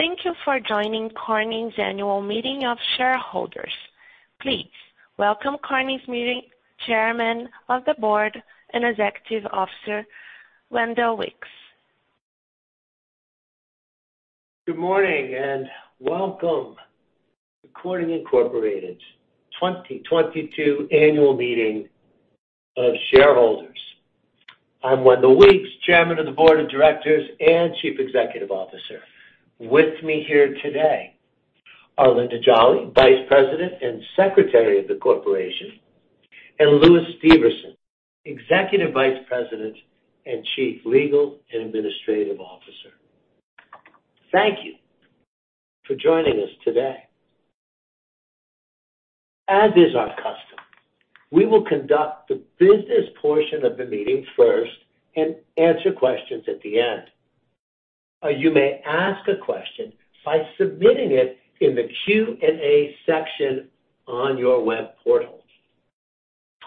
Thank you for joining Corning's annual meeting of shareholders. Please welcome Corning's Chairman of the Board and Chief Executive Officer, Wendell Weeks. Good morning and welcome to Corning Incorporated's 2022 annual meeting of shareholders. I'm Wendell Weeks, Chairman of the Board of Directors and Chief Executive Officer. With me here today are Linda Jolly, Vice President and Secretary of the Corporation, and Lewis Steverson, Executive Vice President and Chief Legal and Administrative Officer. Thank you for joining us today. As is our custom, we will conduct the business portion of the meeting first and answer questions at the end. You may ask a question by submitting it in the Q&A section on your web portal.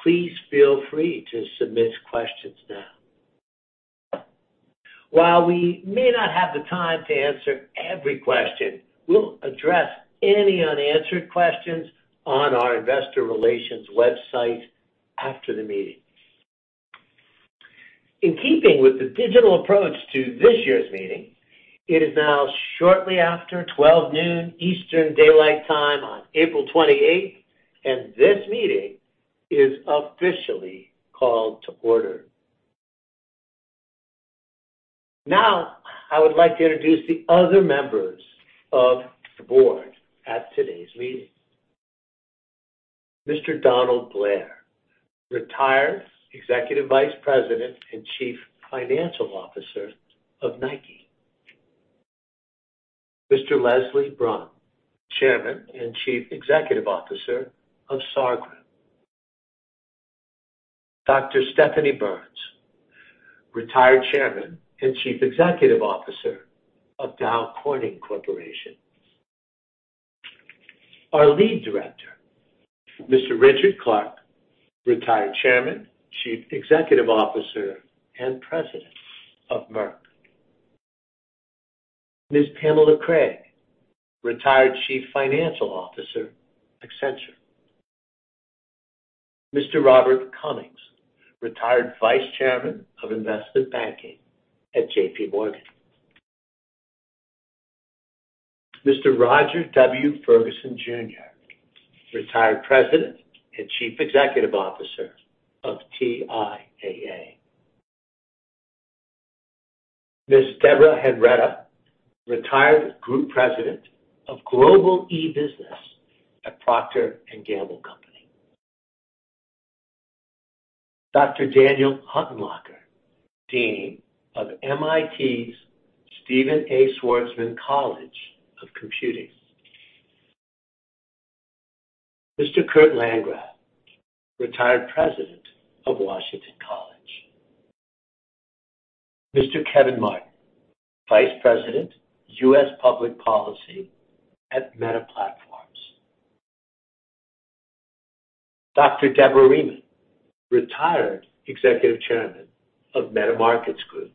Please feel free to submit questions now. While we may not have the time to answer every question, we'll address any unanswered questions on our investor relations website after the meeting. In keeping with the digital approach to this year's meeting, it is now shortly after 12 noon Eastern Daylight Time on April 28, and this meeting is officially called to order. Now, I would like to introduce the other members of the board at today's meeting. Mr. Donald Blair, retired Executive Vice President and Chief Financial Officer of Nike. Mr. Leslie Brun, Chairman and Chief Executive Officer of Sarr Group. Dr. Stephanie Burns, retired Chairman and Chief Executive Officer of Dow Corning Corporation. Our lead director, Mr. Richard Clark, retired Chairman, Chief Executive Officer, and President of Merck. Ms. Pamela Craig, retired Chief Financial Officer, Accenture. Mr. Robert Cummings, retired Vice Chairman of Investment Banking at JPMorgan. Mr. Roger W. Ferguson Jr., retired President and Chief Executive Officer of TIAA. Ms. Deborah Henretta, retired Group President of Global e-Business at Procter & Gamble Company. Dr. Daniel Huttenlocher, Dean of MIT's Stephen A. Schwarzman College of Computing. Mr. Kurt Landgraf, retired President of Washington College. Mr. Kevin Martin, Vice President, US Public Policy at Meta Platforms. Dr. Deborah Rieman, retired Executive Chairman of Metamarkets Group.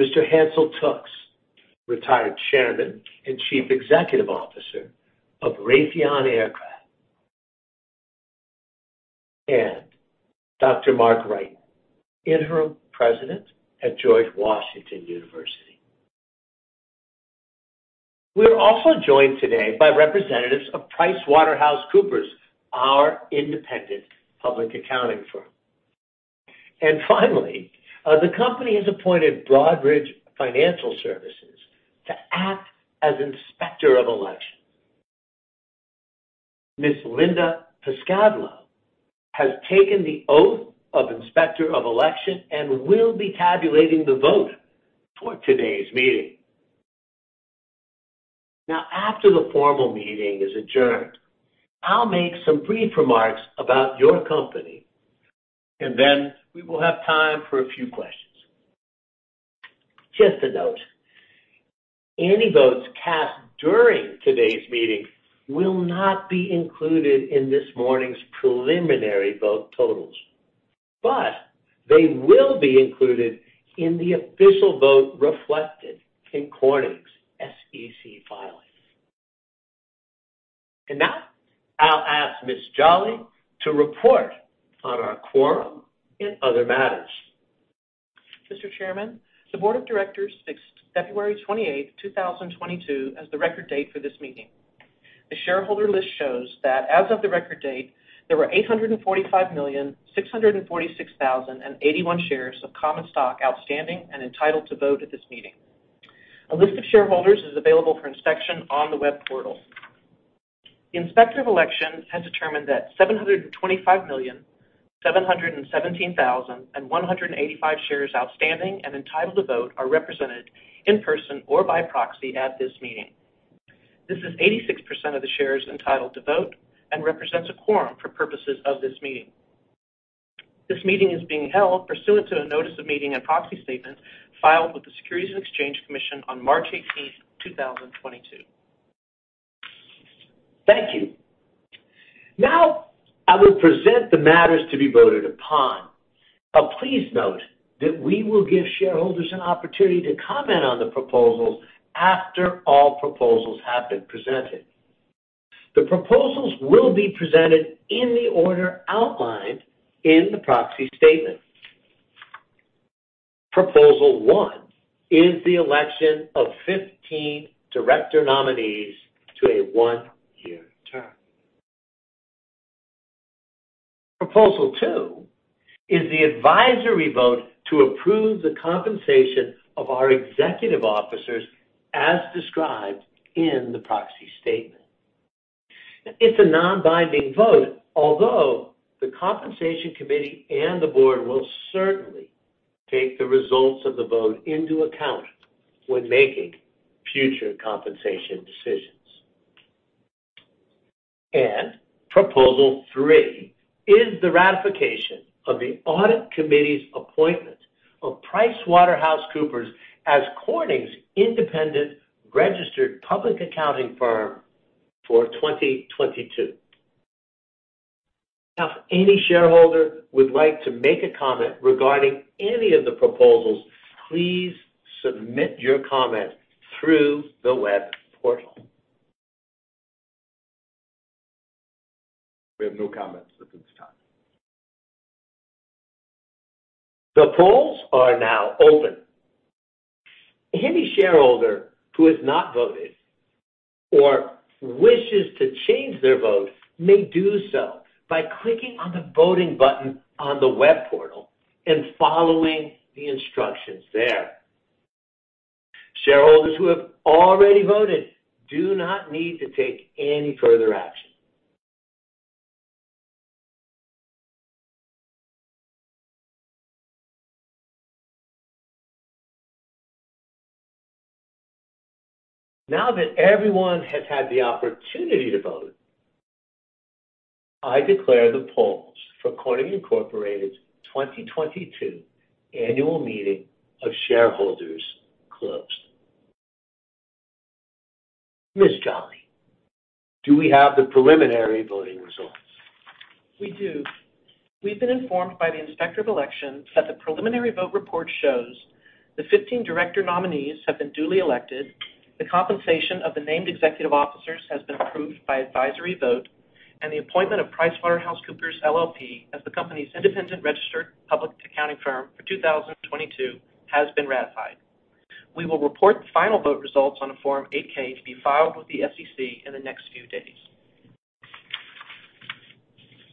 Mr. Hansel Tookes, retired Chairman and Chief Executive Officer of Raytheon Aircraft. Dr. Mark Wrighton, Interim President at George Washington University. We're also joined today by representatives of PricewaterhouseCoopers, our independent public accounting firm. The company has appointed Broadridge Financial Solutions to act as Inspector of Election. Ms. Linda Pascavage has taken the oath of Inspector of Election and will be tabulating the vote for today's meeting. Now, after the formal meeting is adjourned, I'll make some brief remarks about your company, and then we will have time for a few questions. Just a note, any votes cast during today's meeting will not be included in this morning's preliminary vote totals, but they will be included in the official vote reflected in Corning's SEC filings. Now I'll ask Ms. Jolly to report on our quorum and other matters. Mr. Chairman, the board of directors fixed February 28, 2022, as the record date for this meeting. The shareholder list shows that as of the record date, there were 845,646,081 shares of common stock outstanding and entitled to vote at this meeting. A list of shareholders is available for inspection on the web portal. The Inspector of Election has determined that 725,717,185 shares outstanding and entitled to vote are represented in person or by proxy at this meeting. This is 86% of the shares entitled to vote and represents a quorum for purposes of this meeting. This meeting is being held pursuant to a notice of meeting and proxy statement filed with the Securities and Exchange Commission on March 18, 2022 Now I will present the matters to be voted upon. Please note that we will give shareholders an opportunity to comment on the proposals after all proposals have been presented. The proposals will be presented in the order outlined in the proxy statement. Proposal one is the election of 15 director nominees to a one-year term. Proposal two is the advisory vote to approve the compensation of our executive officers as described in the proxy statement. It's a non-binding vote, although the Compensation Committee and the board will certainly take the results of the vote into account when making future compensation decisions. Proposal three is the ratification of the Audit Committee's appointment of PricewaterhouseCoopers as Corning's independent registered public accounting firm for 2022. Now, if any shareholder would like to make a comment regarding any of the proposals, please submit your comment through the web portal. We have no comments at this time. The polls are now open. Any shareholder who has not voted or wishes to change their vote may do so by clicking on the voting button on the web portal and following the instructions there. Shareholders who have already voted do not need to take any further action. Now that everyone has had the opportunity to vote, I declare the polls for Corning Incorporated's 2022 annual meeting of shareholders closed. Ms. Jolly, do we have the preliminary voting results? We do. We've been informed by the Inspector of Elections that the preliminary vote report shows the 15 director nominees have been duly elected. The compensation of the named executive officers has been approved by advisory vote, and the appointment of PricewaterhouseCoopers LLP, as the company's independent registered public accounting firm for 2022 has been ratified. We will report the final vote results on a Form 8-K to be filed with the SEC in the next few days.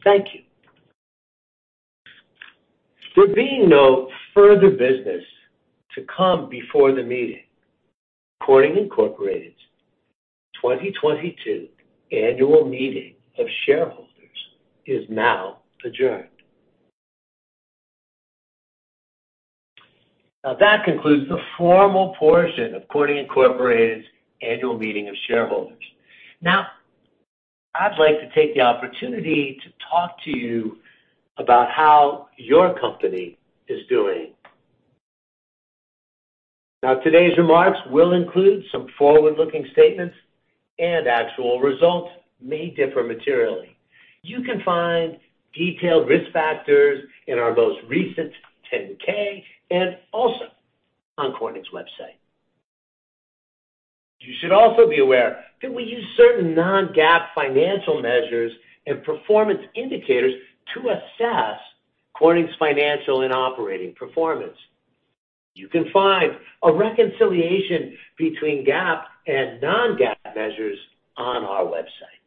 Thank you. There being no further business to come before the meeting, Corning Incorporated's 2022 annual meeting of shareholders is now adjourned. Now, that concludes the formal portion of Corning Incorporated's annual meeting of shareholders. Now, I'd like to take the opportunity to talk to you about how your company is doing. Now, today's remarks will include some forward-looking statements, and actual results may differ materially. You can find detailed risk factors in our most recent 10-K and also on Corning's website. You should also be aware that we use certain non-GAAP financial measures and performance indicators to assess Corning's financial and operating performance. You can find a reconciliation between GAAP and non-GAAP measures on our website.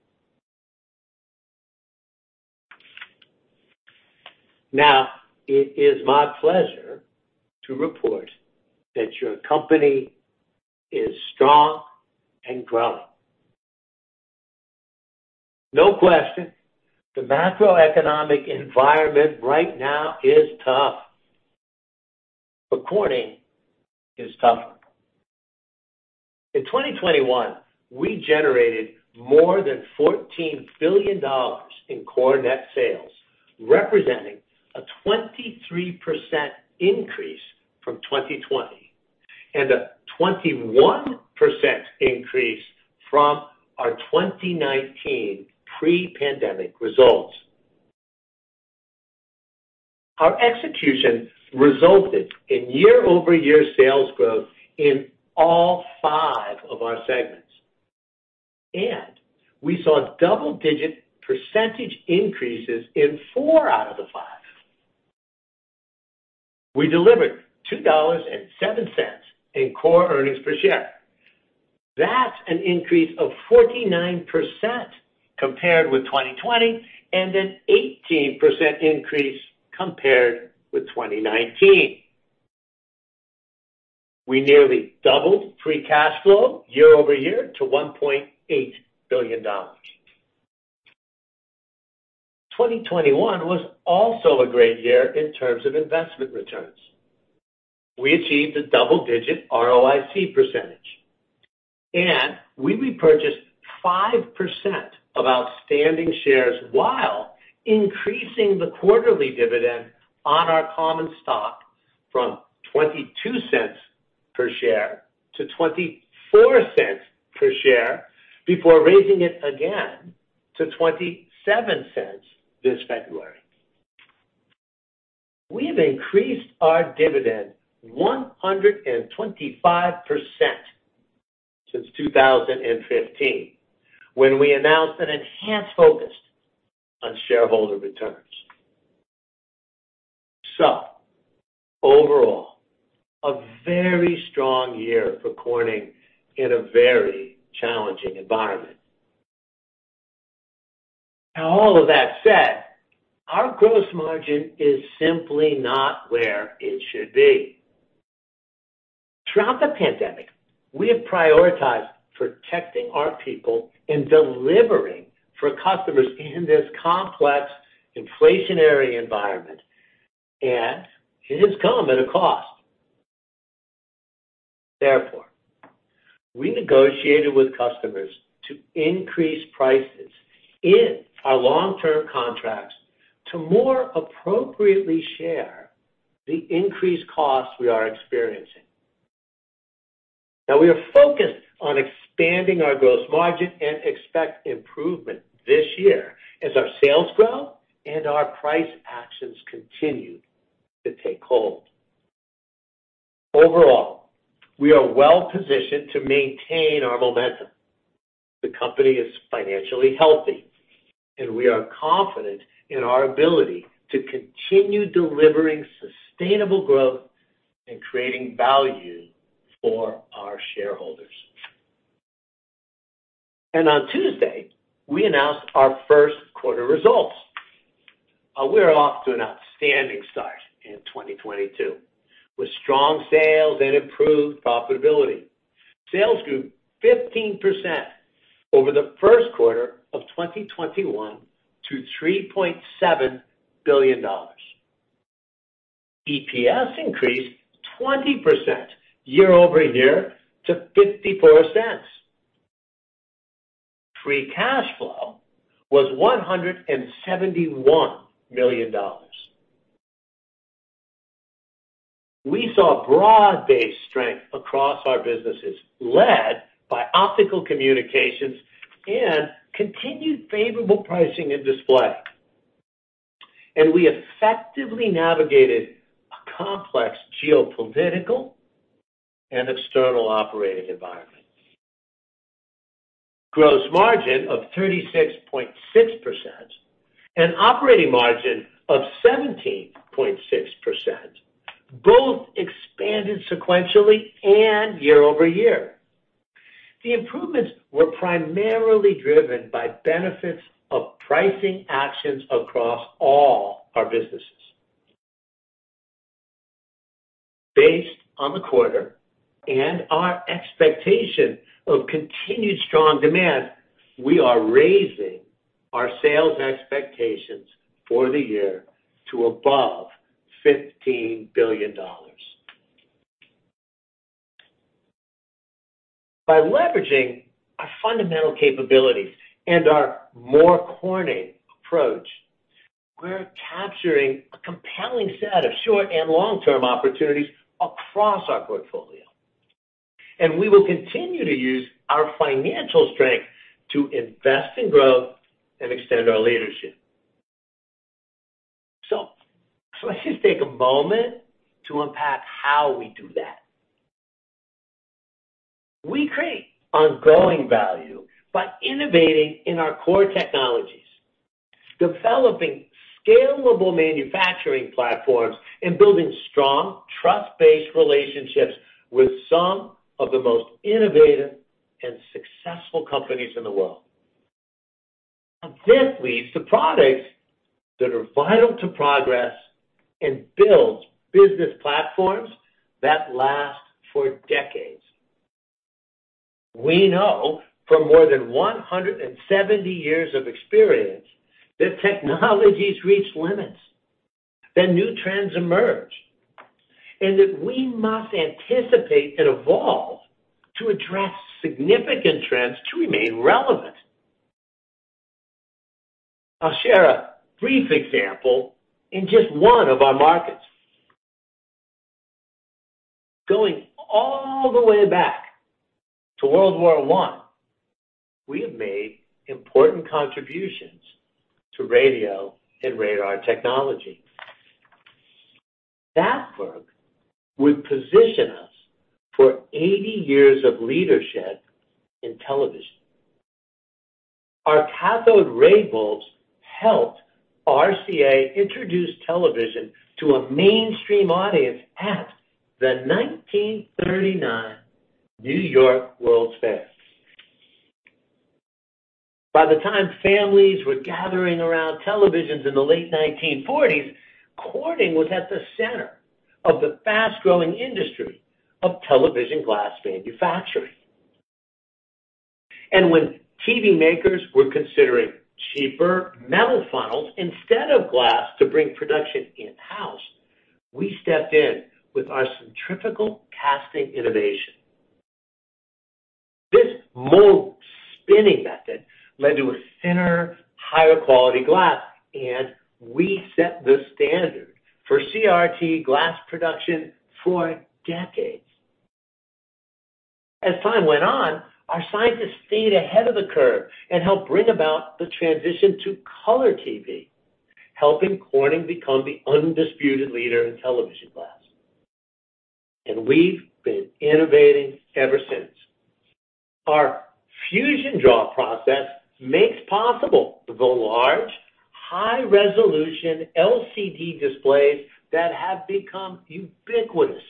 Now, it is my pleasure to report that your company is strong and growing. No question, the macroeconomic environment right now is tough, but Corning is tougher. In 2021, we generated more than $14 billion in core net sales, representing a 23% increase from 2020, and a 21% increase from our 2019 pre-pandemic results. Our execution resulted in year-over-year sales growth in all five of our segments, and we saw double-digit percentage increases in four out of the five. We delivered $2.07 in core earnings per share. That's an increase of 49% compared with 2020, and an 18% increase compared with 2019. We nearly doubled free cash flow year over year to $1.8 billion. 2021 was also a great year in terms of investment returns. We achieved a double-digit ROIC percentage, and we repurchased 5% of outstanding shares while Increasing the quarterly dividend on our common stock from $0.22 per share to $0.24 per share before raising it again to $0.27 this February. We've increased our dividend 125% since 2015 when we announced an enhanced focus on shareholder returns. Overall, a very strong year for Corning in a very challenging environment. Now all of that said, our gross margin is simply not where it should be. Throughout the pandemic, we have prioritized protecting our people and delivering for customers in this complex inflationary environment, and it has come at a cost. Therefore, we negotiated with customers to increase prices in our long-term contracts to more appropriately share the increased costs we are experiencing. Now, we are focused on expanding our gross margin and expect improvement this year as our sales grow and our price actions continue to take hold. Overall, we are well-positioned to maintain our momentum. The company is financially healthy, and we are confident in our ability to continue delivering sustainable growth and creating value for our shareholders. On Tuesday, we announced our first quarter results. We're off to an outstanding start in 2022 with strong sales and improved profitability. Sales grew 15% over the first quarter of 2021 to $3.7 billion. EPS increased 20% year-over-year to $0.54. Free cash flow was $171 million. We saw broad-based strength across our businesses, led by Optical Communications and continued favorable pricing in display. We effectively navigated a complex geopolitical and external operating environment. Gross margin of 36.6% and operating margin of 17.6% both expanded sequentially and year-over-year. The improvements were primarily driven by benefits of pricing actions across all our businesses. Based on the quarter and our expectation of continued strong demand, we are raising our sales expectations for the year to above $15 billion. By leveraging our fundamental capabilities and our More Corning approach, we're capturing a compelling set of short and long-term opportunities across our portfolio, and we will continue to use our financial strength to invest in growth and extend our leadership. Let's just take a moment to unpack how we do that. We create ongoing value by innovating in our core technologies, developing scalable manufacturing platforms, and building strong trust-based relationships with some of the most innovative and successful companies in the world. This leads to products that are vital to progress and builds business platforms that last for decades. We know from more than 170 years of experience that technologies reach limits, that new trends emerge, and that we must anticipate and evolve to address significant trends to remain relevant. I'll share a brief example in just one of our markets. Going all the way back to World War I, we have made important contributions to radio and radar technology. That work would position us for 80 years of leadership in television. Our cathode ray bulbs helped RCA introduce television to a mainstream audience at the 1939 New York World's Fair. By the time families were gathering around televisions in the late 1940s, Corning was at the center of the fast-growing industry of television glass manufacturing. When TV makers were considering cheaper metal funnels instead of glass to bring production in-house, we stepped in with our centrifugal casting innovation. Spinning method led to a thinner, higher quality glass, and we set the standard for CRT glass production for decades. As time went on, our scientists stayed ahead of the curve and helped bring about the transition to color TV, helping Corning become the undisputed leader in television glass. We've been innovating ever since. Our fusion draw process makes possible the large high-resolution LCD displays that have become ubiquitous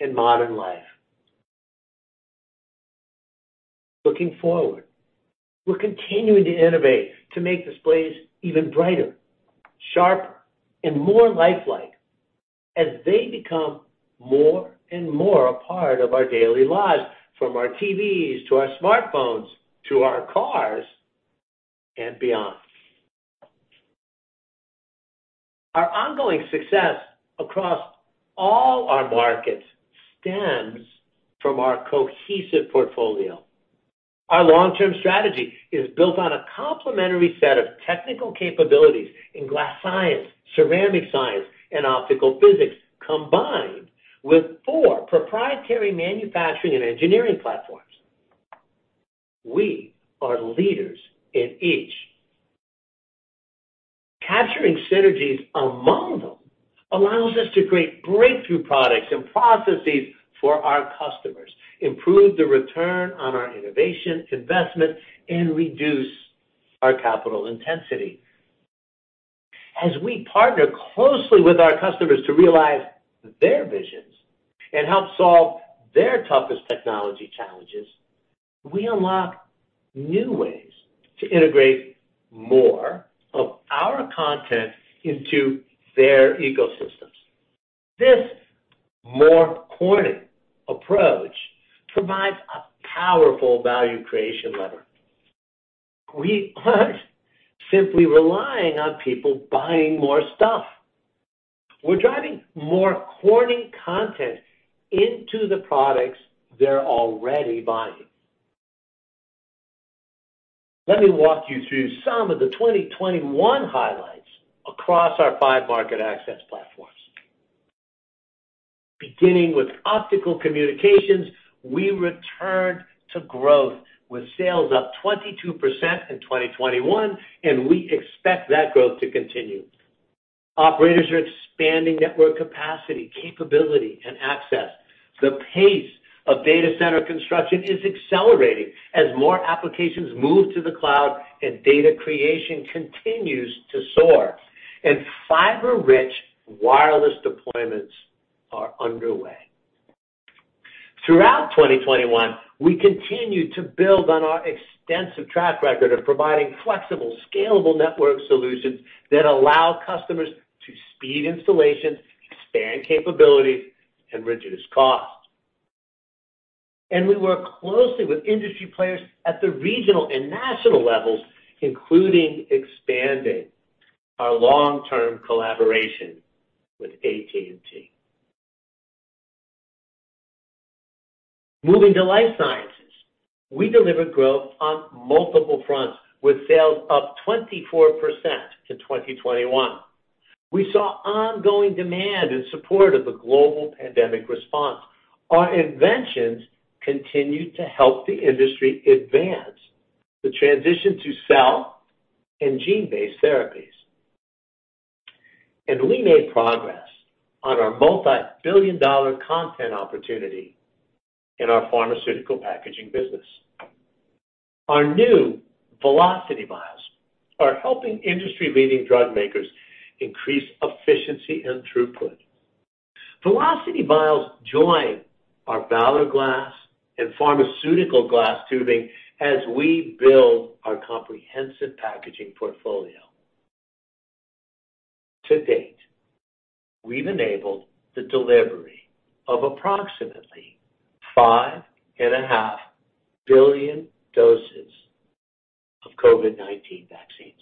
in modern life. Looking forward, we're continuing to innovate to make displays even brighter, sharp, and more lifelike as they become more and more a part of our daily lives, from our TVs to our smartphones, to our cars and beyond. Our ongoing success across all our markets stems from our cohesive portfolio. Our long-term strategy is built on a complementary set of technical capabilities in glass science, ceramic science, and optical physics, combined with four proprietary manufacturing and engineering platforms. We are leaders in each. Capturing synergies among them allows us to create breakthrough products and processes for our customers, improve the return on our innovation investment, and reduce our capital intensity. As we partner closely with our customers to realize their visions and help solve their toughest technology challenges, we unlock new ways to integrate more of our content into their ecosystems. This More Corning approach provides a powerful value creation lever. We aren't simply relying on people buying more stuff. We're driving more Corning content into the products they're already buying. Let me walk you through some of the 2021 highlights across our five market access platforms. Beginning with Optical Communications, we returned to growth with sales up 22% in 2021, and we expect that growth to continue. Operators are expanding network capacity, capability, and access. The pace of data center construction is accelerating as more applications move to the cloud and data creation continues to soar, and fiber-rich wireless deployments are underway. Throughout 2021, we continued to build on our extensive track record of providing flexible, scalable network solutions that allow customers to speed installations, expand capabilities, and reduce costs. We work closely with industry players at the regional and national levels, including expanding our long-term collaboration with AT&T. Moving to Life Sciences, we delivered growth on multiple fronts with sales up 24% in 2021. We saw ongoing demand in support of the global pandemic response. Our inventions continued to help the industry advance the transition to cell and gene-based therapies. We made progress on our multi-billion dollar content opportunity in our pharmaceutical packaging business. Our new Velocity Vials are helping industry-leading drug makers increase efficiency and throughput. Velocity Vials join our Valor Glass and pharmaceutical glass tubing as we build our comprehensive packaging portfolio. To date, we've enabled the delivery of approximately 5.5 billion doses of COVID-19 vaccines.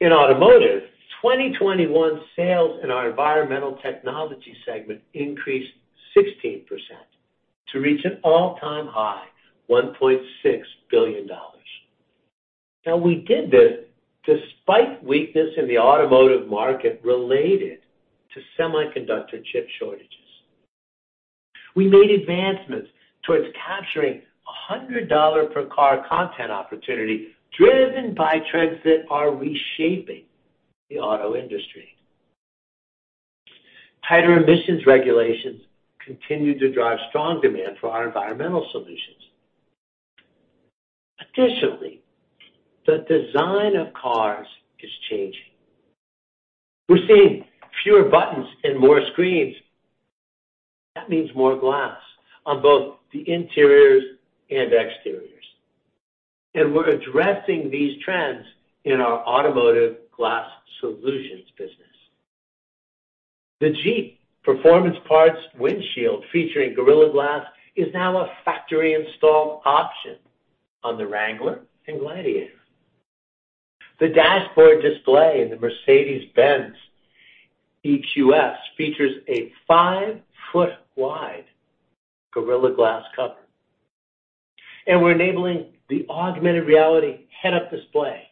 In automotive, 2021 sales in our Environmental Technologies segment increased 16% to reach an all-time high, $1.6 billion. Now, we did this despite weakness in the automotive market related to semiconductor chip shortages. We made advancements towards capturing a $100 per car content opportunity driven by trends that are reshaping the auto industry. Tighter emissions regulations continue to drive strong demand for our environmental solutions. Additionally, the design of cars is changing. We're seeing fewer buttons and more screens. That means more glass on both the interiors and exteriors, and we're addressing these trends in our Automotive Glass Solutions business. The Jeep Performance Parts windshield featuring Gorilla Glass is now a factory install option on the Wrangler and Gladiator. The dashboard display in the Mercedes-Benz EQS features a 5-foot-wide Gorilla Glass cover. We're enabling the augmented reality head-up display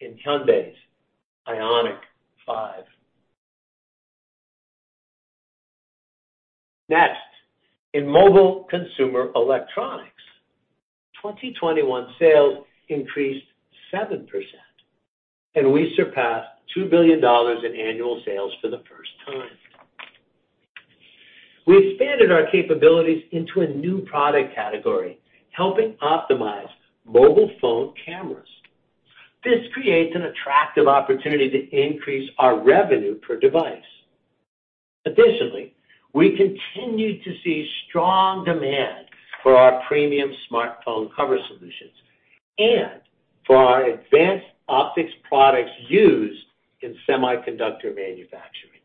in Hyundai's IONIQ 5. Next, in Mobile Consumer Electronics, 2021 sales increased 7%, and we surpassed $2 billion in annual sales for the first time. We expanded our capabilities into a new product category, helping optimize mobile phone cameras. This creates an attractive opportunity to increase our revenue per device. Additionally, we continued to see strong demand for our premium smartphone cover solutions and for our advanced optics products used in semiconductor manufacturing.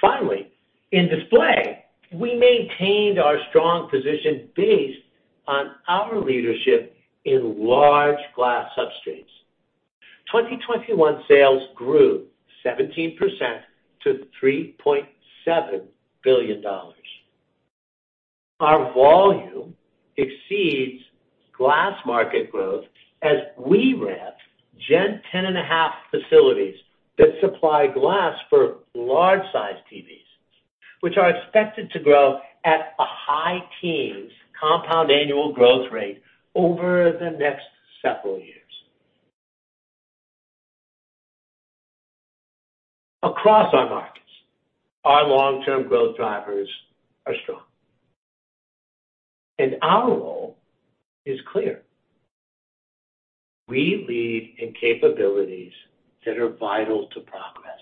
Finally, in display, we maintained our strong position based on our leadership in large glass substrates. 2021 sales grew 17% to $3.7 billion. Our volume exceeds glass market growth as we ramped Gen 10.5 facilities that supply glass for large-sized TVs, which are expected to grow at a high teens compound annual growth rate over the next several years. Across our markets, our long-term growth drivers are strong, and our role is clear. We lead in capabilities that are vital to progress.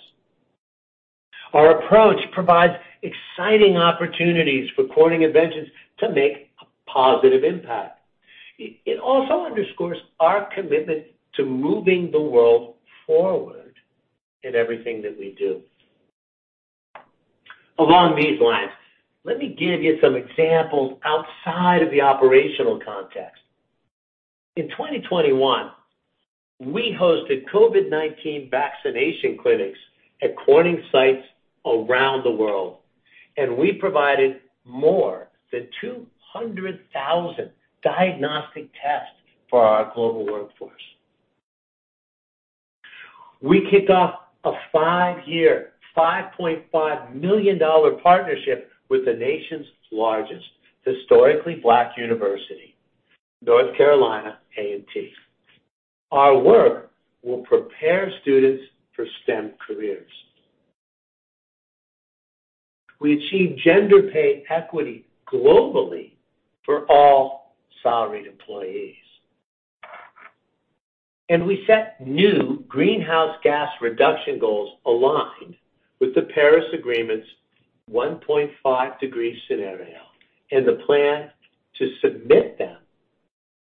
Our approach provides exciting opportunities for Corning inventions to make a positive impact. It also underscores our commitment to moving the world forward in everything that we do. Along these lines, let me give you some examples outside of the operational context. In 2021, we hosted COVID-19 vaccination clinics at Corning sites around the world, and we provided more than 200,000 diagnostic tests for our global workforce. We kicked off a five-year, $5.5 million partnership with the nation's largest historically Black university, North Carolina A&T. Our work will prepare students for STEM careers. We achieved gender pay equity globally for all salaried employees. We set new greenhouse gas reduction goals aligned with the Paris Agreement's 1.5-degree scenario, and the plan to submit them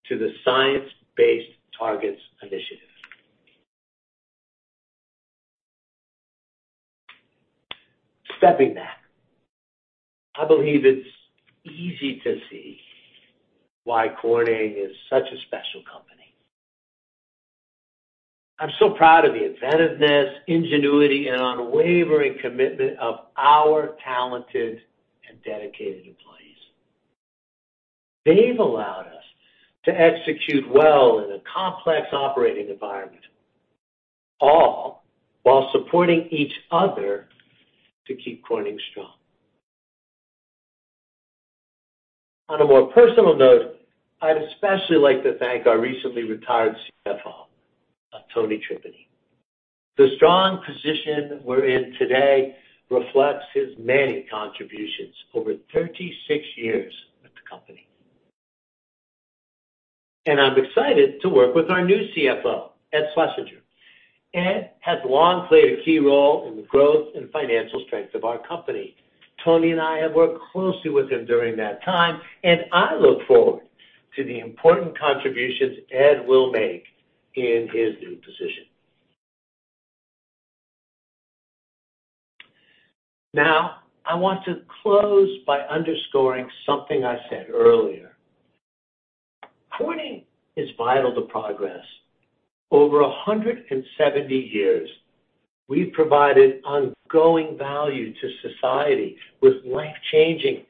to the Science Based Targets initiative. Stepping back, I believe it's easy to see why Corning is such a special company. I'm so proud of the inventiveness, ingenuity, and unwavering commitment of our talented and dedicated employees. They've allowed us to execute well in a complex operating environment, all while supporting each other to keep Corning strong. On a more personal note, I'd especially like to thank our recently retired CFO, Tony Tripeny. The strong position we're in today reflects his many contributions over 36 years with the company. I'm excited to work with our new CFO, Ed Schlesinger. Ed has long played a key role in the growth and financial strength of our company. Tony and I have worked closely with him during that time, and I look forward to the important contributions Ed will make in his new position. Now, I want to close by underscoring something I said earlier. Corning is vital to progress. Over 170 years, we've provided ongoing value to society with life-changing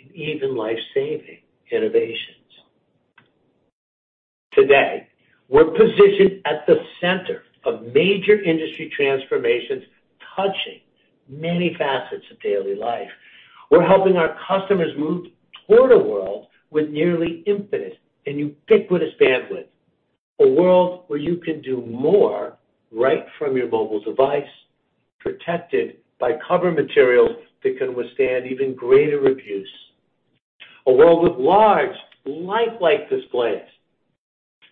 and even life-saving innovations. Today, we're positioned at the center of major industry transformations touching many facets of daily life. We're helping our customers move toward a world with nearly infinite and ubiquitous bandwidth, a world where you can do more right from your mobile device, protected by cover materials that can withstand even greater abuse. A world with large lifelike displays,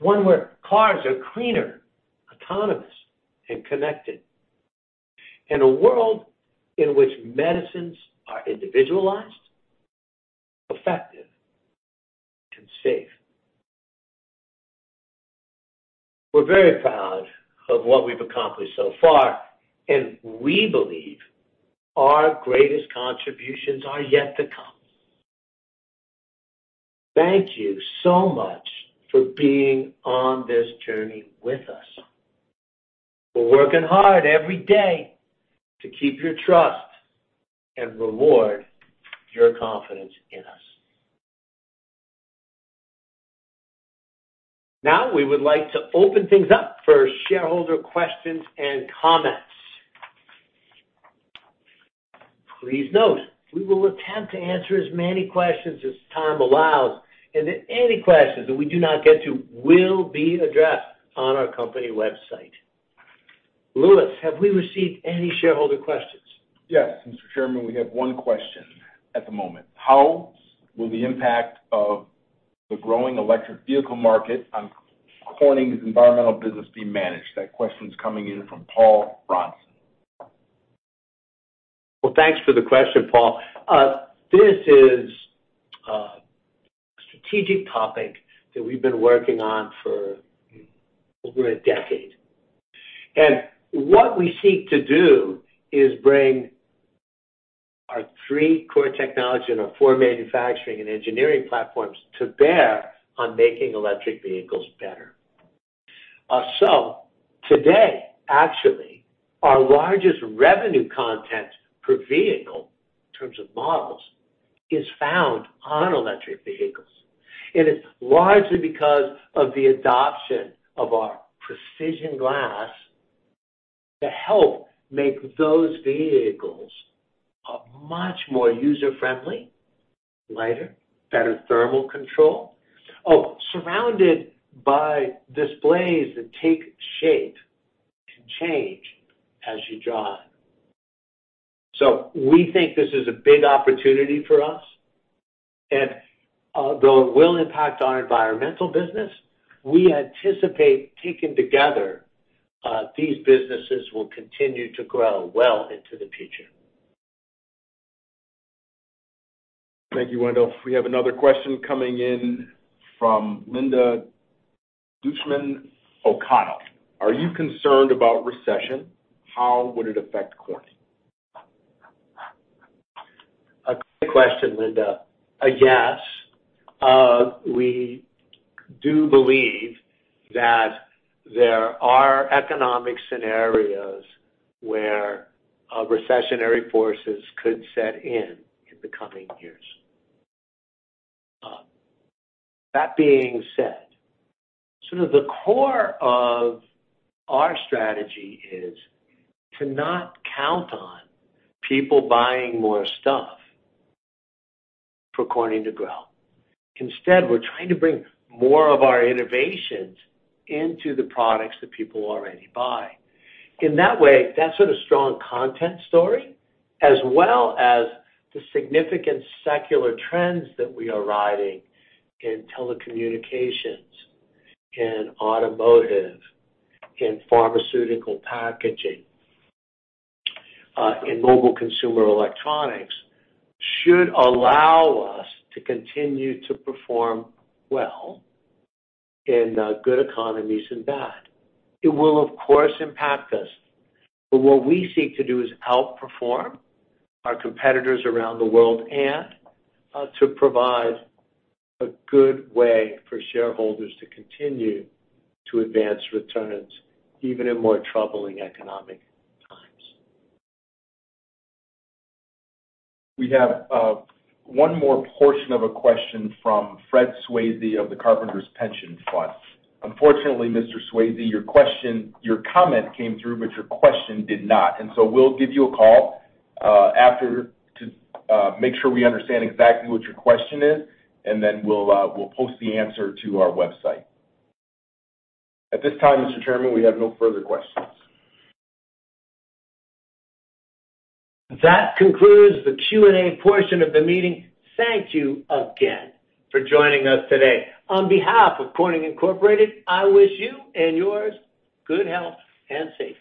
one where cars are cleaner, autonomous, and connected. In a world in which medicines are individualized, effective, and safe. We're very proud of what we've accomplished so far, and we believe our greatest contributions are yet to come. Thank you so much for being on this journey with us. We're working hard every day to keep your trust and reward your confidence in us. Now, we would like to open things up for shareholder questions and comments. Please note, we will attempt to answer as many questions as time allows, and any questions that we do not get to will be addressed on our company website. Lewis, have we received any shareholder questions? Yes, Mr. Chairman, we have one question at the moment. How will the impact of the growing electric vehicle market on Corning's environmental business be managed? That question's coming in from Paul Ronson. Well, thanks for the question, Paul. This is a strategic topic that we've been working on for over a decade. What we seek to do is bring our three core technology and our four manufacturing and engineering platforms to bear on making electric vehicles better. Today, actually, our largest revenue content per vehicle in terms of models is found on electric vehicles. It is largely because of the adoption of our precision glass to help make those vehicles, much more user-friendly, lighter, better thermal control, surrounded by displays that take shape and change as you drive. We think this is a big opportunity for us. Though it will impact our environmental business, we anticipate taken together, these businesses will continue to grow well into the future. Thank you, Wendell. We have another question coming in from Linda Dushman O'Connell. Are you concerned about recession? How would it affect Corning? A good question, Linda. Yes, we do believe that there are economic scenarios where recessionary forces could set in in the coming years. That being said, sort of the core of our strategy is to not count on people buying more stuff for Corning to grow. Instead, we're trying to bring more of our innovations into the products that people already buy. In that way, that sort of strong content story, as well as the significant secular trends that we are riding in telecommunications, in automotive, in pharmaceutical packaging, in mobile consumer electronics, should allow us to continue to perform well in good economies and bad. It will, of course, impact us, but what we seek to do is outperform our competitors around the world and to provide a good way for shareholders to continue to advance returns even in more troubling economic times. We have one more portion of a question from Fred Swayze of the Carpenters Pension Fund. Unfortunately, Mr. Swayze, your question, your comment came through, but your question did not. We'll give you a call after to make sure we understand exactly what your question is, and then we'll post the answer to our website. At this time, Mr. Chairman, we have no further questions. That concludes the Q&A portion of the meeting. Thank you again for joining us today. On behalf of Corning Incorporated, I wish you and yours good health and safety.